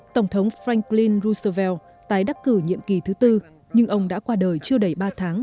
tổng thống frankllin rusovel tái đắc cử nhiệm kỳ thứ tư nhưng ông đã qua đời chưa đầy ba tháng